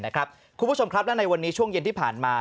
คุณผู้ชมครับและในวันนี้ช่วงเย็นที่ผ่านมา